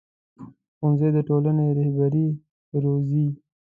ښوونځی د ټولنې رهبري روزي